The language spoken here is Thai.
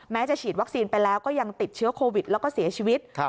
จะฉีดวัคซีนไปแล้วก็ยังติดเชื้อโควิดแล้วก็เสียชีวิต